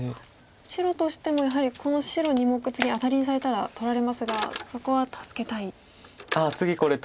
白としてもやはりこの白２目次アタリにされたら取られますがそこは助けたいですか。